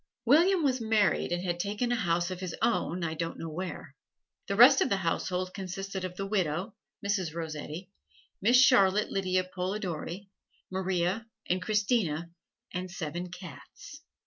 William was married and had taken a house of his own I don't know where. The rest of the household consisted of the widow, Mrs. Rossetti, Miss Charlotte Lydia Polidori, Maria and Christina and seven cats.